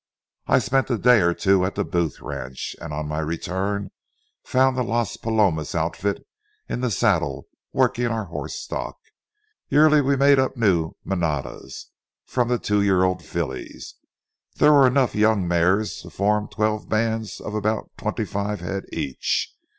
I spent a day or two at the Booth ranch, and on my return found the Las Palomas outfit in the saddle working our horse stock. Yearly we made up new manadas from the two year old fillies. There were enough young mares to form twelve bands of about twenty five head each.